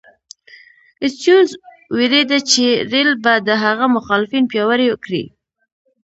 سټیونز وېرېده چې رېل به د هغه مخالفین پیاوړي کړي.